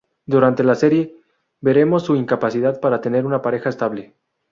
Durante la serie, veremos su incapacidad para tener una pareja estable.